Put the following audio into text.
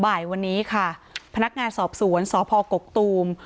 บ่ายวันนี้ค่ะพนักงานสอบสวนสพกกตูม